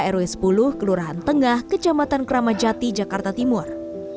rw sepuluh kelurahan tengah kecamatan kramajati jakarta timur